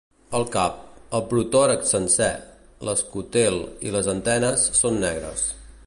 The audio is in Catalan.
El cap, el protòrax sencer, l'escutel i les antenes són negres.